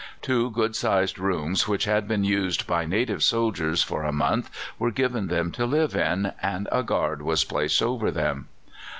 Two good sized rooms, which had been used by native soldiers for a month, were given them to live in, and a guard was placed over them.